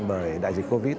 bởi đại dịch covid